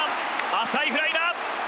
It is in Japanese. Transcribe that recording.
浅いフライだ。